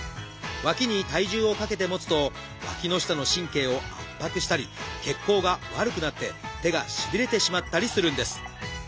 わきに体重をかけて持つとわきの下の神経を圧迫したり血行が悪くなって手がしびれてしまったりするんです。